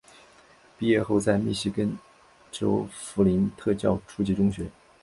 毕业后在密西根州弗林特教初级中学。